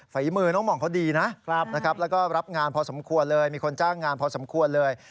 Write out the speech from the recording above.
ฝีมือน้องห่องเขาดีนะแล้วก็รับงานพอสมควรเลยมีคนจ้างงานพอสมควรเลย